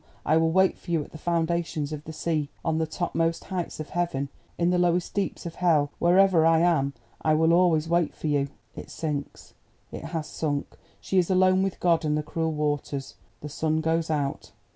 I will wait for you at the foundations of the sea, on the topmost heights of heaven, in the lowest deeps of hell—wherever I am I will always wait for you!" It sinks—it has sunk—she is alone with God, and the cruel waters. The sun goes out!